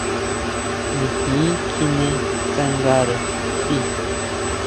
Nijin kjine tsangare tii.